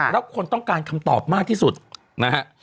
แล้วคนต้องการคำตอบมากที่สุดนะฮะ